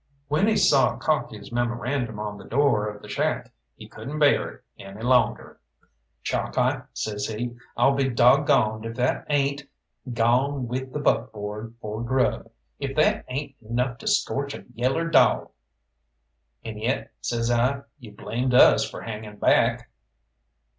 When he saw Cocky's memorandum on the door of the shack he couldn't bear it any longer. "Chalkeye," says he, "I'll be dog goned if that ain't 'Gawn with the buckboard for grub.' If that ain't enough to scorch a yaller dawg!" "And yet," says I, "you blamed us for hanging back!"